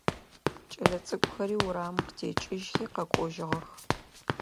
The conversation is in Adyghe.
Кӏэлэцӏыкӏухэри урамым къытекӏыжьхи къэкӏожьыгъэх.